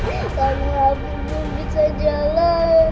tante aku belum bisa jalan